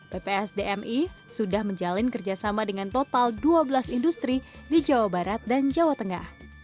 ppsdmi sudah menjalin kerjasama dengan total dua belas industri di jawa barat dan jawa tengah